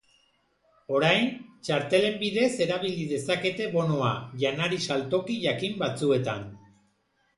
Orain, txartelen bidez erabili dezakete bonoa, janari-saltoki jakin batzuetan.